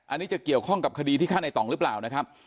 อันนี้จะเกี่ยวข้องกับคดีที่ฆ่าในต่องหรือเปล่านะครับ